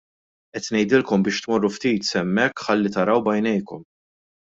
Qed ngħidilkom biex tmorru ftit s'hemmhekk ħalli taraw b'għajnejkom.